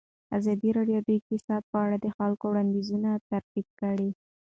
ازادي راډیو د اقتصاد په اړه د خلکو وړاندیزونه ترتیب کړي.